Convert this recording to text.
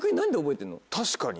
確かに。